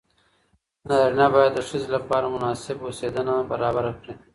نارینه باید د ښځې لپاره مناسب اوسېدنه برابره کړي.